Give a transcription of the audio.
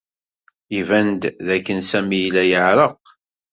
Iban-d dakken Sami yella yeɛreq.